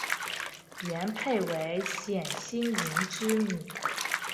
元配为冼兴云之女。